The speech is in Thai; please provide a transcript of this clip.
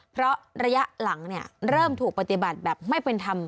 เพราะระยะหลังเริ่มถูกปฏิบัติแบบไม่เป็นธรรม